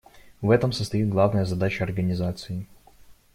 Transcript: В этом состоит главная задача Организации.